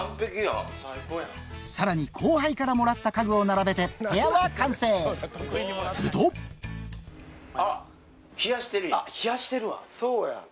さらに後輩からもらった家具を並べて部屋は完成するとそうや。